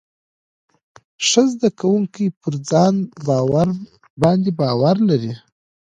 ښه زده کوونکي پر ځان باندې باور لري.